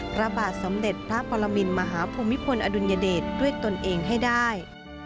พระบาทสมเด็จพระปรมินมหาภูมิพลอดุลยเดชด้วยตนเองให้ได้